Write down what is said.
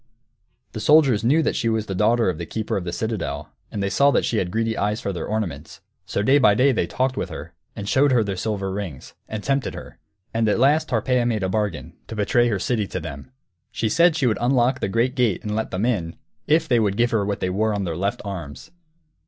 The soldiers knew she was the daughter of the keeper of the citadel, and they saw that she had greedy eyes for their ornaments. So day by day they talked with her, and showed her their silver rings, and tempted her. And at last Tarpeia made a bargain, to betray her city to them. She said she would unlock the great gate and let them in, _if they would give her what they wore on their left arms.